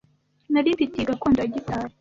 Nari mfite iyi gakondo ya gitari.